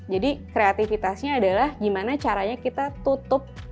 jadi kreatifitasnya adalah gimana caranya kita tutup